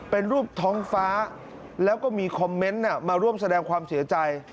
เป็นรูปท้องฟ้าแล้วก็มีคอมเมนต์มาร่วมแสดงความเสียใจ